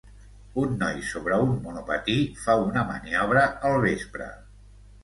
Un noi sobre un monopatí fa una maniobra al vespre.